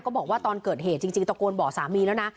บอกว่าตอนเกิดเหตุจริงตะโกนบอกสามีแล้วนะ